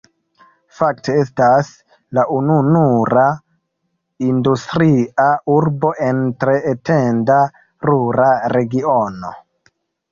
Fakte estas la ununura industria urbo en tre etenda rura regiono.